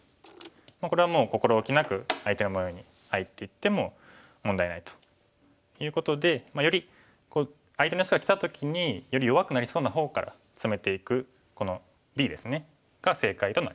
これはもう心おきなく相手の模様に入っていっても問題ないということで相手の石がきた時により弱くなりそうな方からツメていくこのＢですねが正解となります。